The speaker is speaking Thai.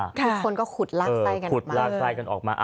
ทุกคนก็ขุดลากไส้กันออกมา